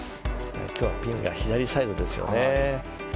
今日はピンが左サイドですね。